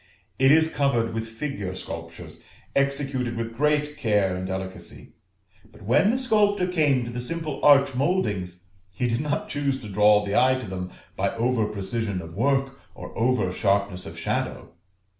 It is covered with figure sculptures, executed with great care and delicacy; but when the sculptor came to the simple arch mouldings, he did not choose to draw the eye to them by over precision of work or over sharpness of shadow.